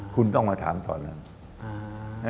คุณต้องมาถามตอนนั้น